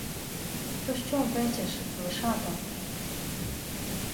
— То що вречеш, Вишато?